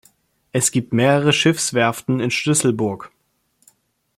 Es gibt mehrere Schiffswerften in Schlüsselburg.